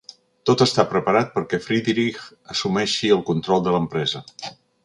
Tot està preparat perquè Friedrich assumeixi el control de l'empresa.